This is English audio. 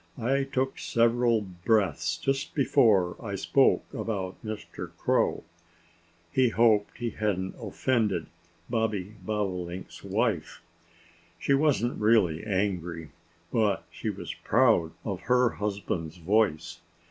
"I took several breaths just before I spoke about Mr. Crow." He hoped that he hadn't offended Bobby Bobolink's wife. She wasn't really angry. But she was proud of her husband's voice.